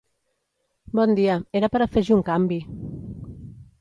Bon dia, era per afegir un canvi.